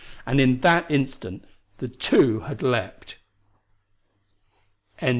And in that instant the two had leaped.